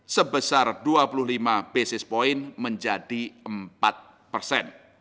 sebesar dua puluh lima basis point menjadi empat persen